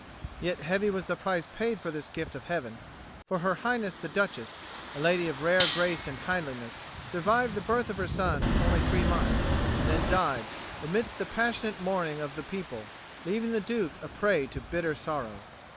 Yet heavy was the price paid for this gift of Heaven, for Her Highness the Duchess, a lady of rare grace and kindliness, survived the birth of her son only three months, and then died, amidst the passionate mourning of the people, leaving the Duke a prey to bitter sorrow.